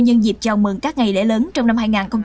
nhân dịp chào mừng các ngày lễ lớn trong năm hai nghìn hai mươi